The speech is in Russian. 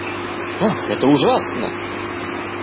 Ах, это ужасно!